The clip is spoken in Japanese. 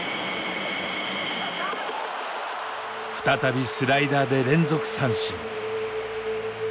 再びスライダーで連続三振。